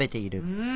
うん。